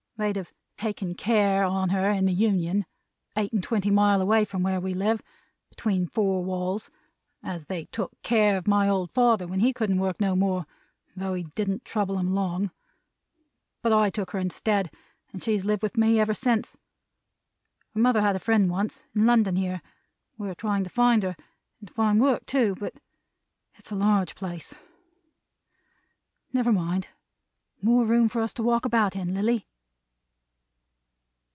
They'd have taken care on her in the Union eight and twenty mile away from where we live between four walls (as they took care of my old father when he couldn't work no more, though he didn't trouble 'em long); but I took her instead, and she's lived with me ever since. Her mother had a friend once, in London here. We are trying to find her, and to find work too; but it's a large place. Never mind. More room for us to walk about in, Lilly!"